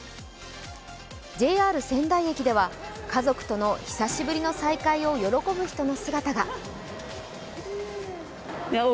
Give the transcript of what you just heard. ＪＲ仙台駅では、家族との久しぶりの再会を喜ぶ人の姿が。